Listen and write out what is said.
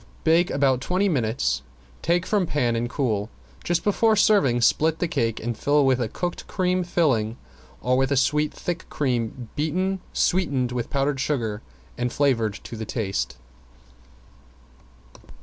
Bake about twenty minutes, take from pan and cool. Just before serving split the cake and fill with a cooked cream filling or with sweet thick cream beaten, sweetened with powdered sugar and flavored to the taste.